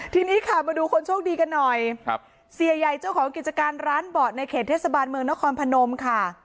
ทีนี้ค่ะมาดูคนโชคดีกันหน่อยครับเสียใหญ่เจ้าของกิจการร้านเบาะในเขตเทศบาลเมืองนครพนมค่ะ